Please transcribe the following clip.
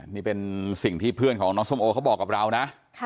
นี่เป็นสิ่งที่เพื่อนของน้องส้มโอเขาบอกกับเรานะ